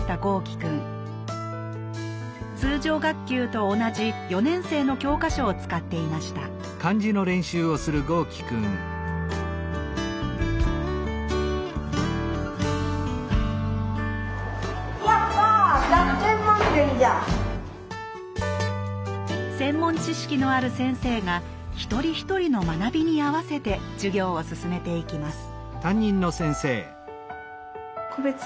通常学級と同じ４年生の教科書を使っていました専門知識のある先生が一人一人の学びに合わせて授業を進めていきます